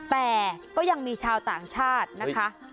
แต่ก็ยังมีชาวต่างชาตินะคะ